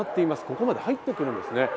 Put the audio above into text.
ここまで入ってくるんですね。